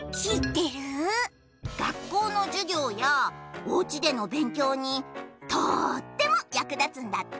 学校の授業やおうちでの勉強にとっても役立つんだって！